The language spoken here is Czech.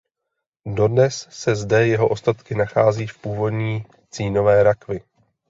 Dodnes se zde jeho ostatky nachází v původní cínové rakvi.